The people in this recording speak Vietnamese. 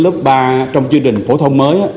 lớp ba trong chương trình phổ thông mới